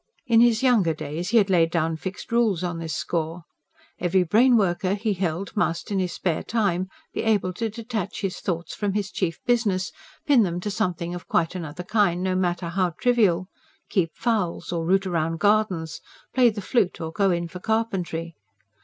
In his younger days he had laid down fixed rules on this score. Every brainworker, he held, must in his spare time be able to detach his thoughts from his chief business, pin them to something of quite another kind, no matter how trivial: keep fowls or root round gardens, play the flute or go in for carpentry.